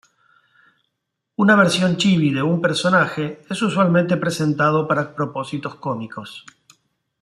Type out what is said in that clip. Una versión chibi de un personaje es usualmente presentado para propósitos cómicos.